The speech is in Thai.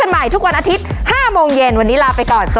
ใครที่ดูรายการเราอยู่แล้วใครที่ออกรายการเรา